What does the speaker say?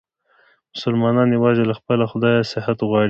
مسلمانان یووازې له خپل خدایه صحت غواړي.